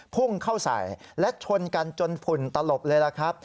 พุ่งเข้าใส่และชนกันจนผุ่นตลบเลย